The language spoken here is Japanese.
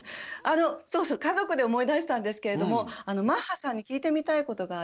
そうそう家族で思い出したんですけれどもマッハさんに聞いてみたいことがありまして。